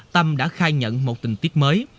tâm đã khai nhận một tình tiết mới